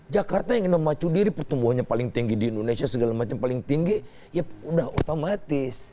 jakarta yang memacu diri pertumbuhannya paling tinggi di indonesia segala macam paling tinggi ya udah otomatis